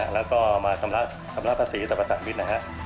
แล้วก็มากำลักษีตรัพธาตุภิษฐ์นะครับ